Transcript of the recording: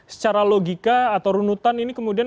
secara logika atau runutan ini kemudian